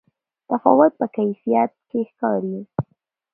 تفاوت په کیفیت کې ښکاري.